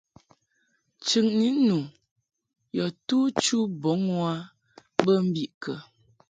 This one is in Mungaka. Chɨŋni nu yɔ tu chu bɔŋ u a bə mbiʼ kə ?